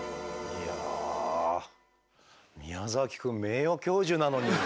いや宮崎くん名誉教授なのに。